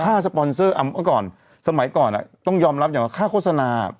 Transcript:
ค่าสปอนเซอร์สมัยก่อนต้องยอมรับอย่างว่าค่าโฆษณา